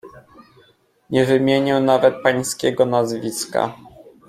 "Nie wymienię nawet pańskiego nazwiska."